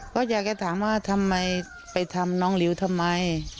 ก็อยากจะถามว่าทำไมไปทำน้องลิวทำไม